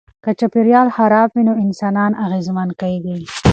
که چاپیریال خراب وي نو انسانان اغېزمن کیږي.